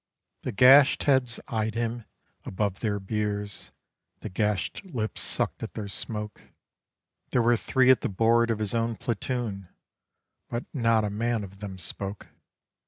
_" The gashed heads eyed him above their beers, the gashed lips sucked at their smoke; There were three at the board of his own platoon, but not a man of them spoke.